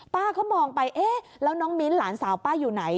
ป้าก็มองไปเอ๊ะแล้วน้องมิ้นหลานสาวป้าอยู่ไหน